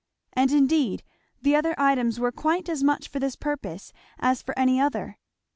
And indeed the other items were quite as much for this purpose as for any other.